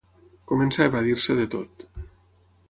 Comença a evadir-se de tot.